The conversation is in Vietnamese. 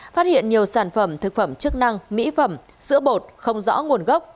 phát hiện nhiều sản phẩm thực phẩm chức năng mỹ phẩm sữa bột không rõ nguồn gốc